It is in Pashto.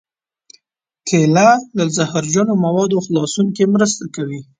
کېله له زهرجنو موادو خلاصون کې مرسته کوي.